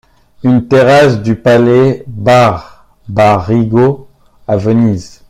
Une terrasse du palais Barbarigo, à Venise.